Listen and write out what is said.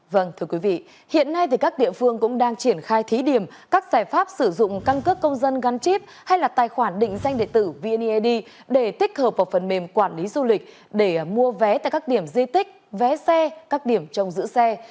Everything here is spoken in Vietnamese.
vâng thưa quý vị hiện nay thì các địa phương cũng đang triển khai thí điểm các giải pháp sử dụng căn cước công dân gắn chip hay là tài khoản định danh địa tử vneid để tích hợp vào phần mềm quản lý du lịch để mua vé tại các điểm di tích vé xe các điểm trong giữ xe